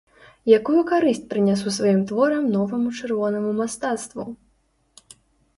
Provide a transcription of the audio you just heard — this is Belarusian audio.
Якую карысць прынясу сваім творам новаму чырвонаму мастацтву?